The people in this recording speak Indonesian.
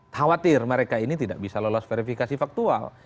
khawatir mereka ini tidak bisa lolos verifikasi faktual